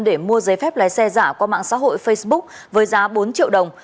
để mua giấy phép lái xe giả qua mạng xã hội facebook với giá bốn triệu đồng